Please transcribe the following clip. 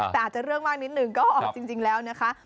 แต่อาจจะเรื่องมากนิดหนึ่งก็จริงแล้วนะคะ